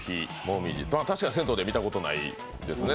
確かに銭湯で見たことないですね。